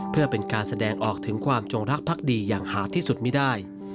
เพื่อเป็นการแสดงออกถึงความจงรักภักดีอย่างหาที่สุดไม่ได้